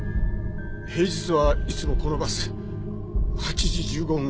平日はいつもこのバス８時１５分